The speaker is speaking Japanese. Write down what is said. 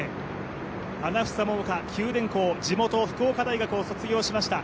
花房百伽九、電工地元・福岡大学を卒業しました。